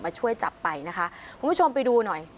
ช่วยจับไปนะคะคุณผู้ชมไปดูหน่อย